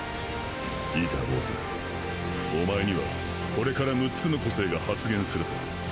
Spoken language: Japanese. いいか坊主おまえにはこれから６つの個性が発現するさ。